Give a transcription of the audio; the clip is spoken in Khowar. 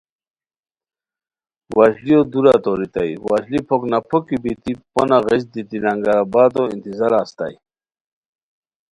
وشلیو دُورہ توریتائے وشلی پھوکنا پھوکی بیتی پونہ غیچ دیتی لنگر آبادو انتظارا استائے